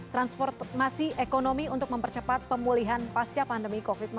transformasi ekonomi untuk mempercepat pemulihan pasca pandemi covid sembilan belas